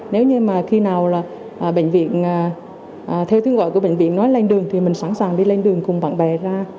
nếu như mà khi nào là bệnh viện theo tiếng gọi của bệnh viện nói lên đường thì mình sẵn sàng đi lên đường cùng bạn bè ra